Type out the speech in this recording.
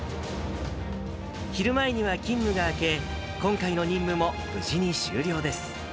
昼前には勤務が明け、今回の任務も無事に終了です。